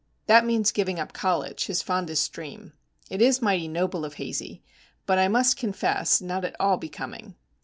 That means giving up college, his fondest dream. It is mighty noble of Hazey; but, I must confess, not at all becoming.